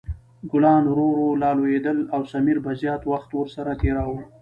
ګلان ورو ورو لا لویدل او سمیر به زیات وخت ورسره تېراوه.